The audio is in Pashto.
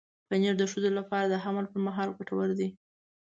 پنېر د ښځو لپاره د حمل پر مهال ګټور دی.